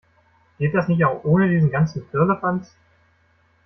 Geht das nicht auch ohne diesen ganzen Firlefanz?